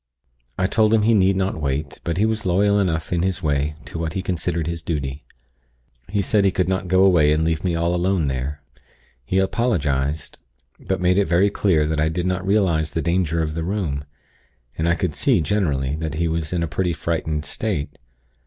"I told him he need not wait; but he was loyal enough in his way to what he considered his duty. He said he could not go away and leave me all alone there. He apologized; but made it very clear that I did not realize the danger of the room; and I could see, generally, that he was in a pretty frightened state.